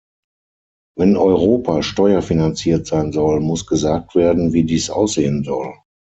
Wenn Europa steuerfinanziert sein soll, muss gesagt werden wie dies aussehen soll.